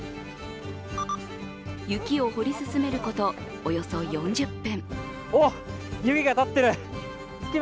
雪を掘り進めることおよそ４０分。